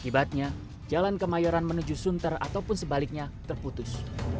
akibatnya jalan kemayoran menuju sunter ataupun sebaliknya terputus